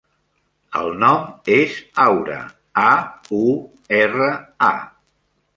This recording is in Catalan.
El nom és Aura: a, u, erra, a.